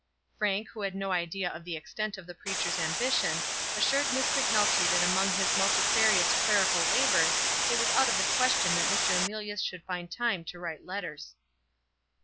Frank, who had no idea of the extent of the preacher's ambition, assured Miss Macnulty that among his multifarious clerical labours it was out of the question that Mr. Emilius should find time to write letters.